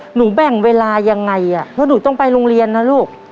แบ่งเวลายังไงอ่ะแล้วหนูต้องไปโรงเรียนนะลูก